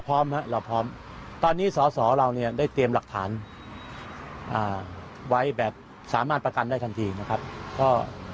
พร้อมครับเราพร้อมตอนนี้สอสอเราเนี่ยได้เตรียมหลักฐานไว้แบบสามารถประกันได้ทันทีนะครับก็